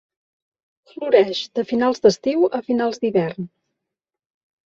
Floreix de finals d'estiu a finals d'hivern.